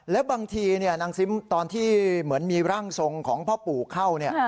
แล้วบางทีนางซิมตอนที่เหมือนมีร่างทรงของพ่อปู่เข้า